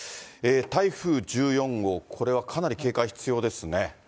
台風１４号、これはかなり警戒必要ですね。